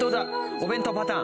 お弁当パターン。